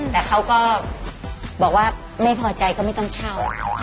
แต่เขาก็บอกว่าไม่พอใจก็ไม่ต้องเช่า